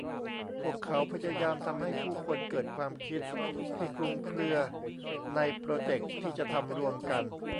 พวกเขาพยายามทำให้ผู้คนเกิดความคิดที่คลุมเครือในโปรเจคที่จะทำรวมกัน